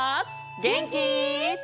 げんき？